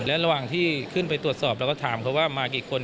และระหว่างที่ขึ้นไปตรวจสอบเราก็ถามเขาว่ามากี่คน